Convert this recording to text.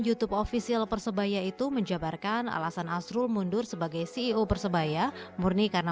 youtube ofisial persebaya itu menjabarkan alasan asrul mundur sebagai ceo persebaya murni karena